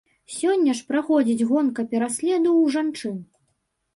Сёння ж праходзіць гонка пераследу ў жанчын.